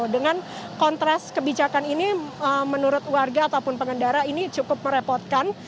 dengan kontras kebijakan ini menurut warga ataupun pengendara ini cukup merepotkan